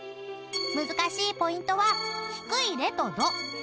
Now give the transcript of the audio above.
［難しいポイントは低いレとド］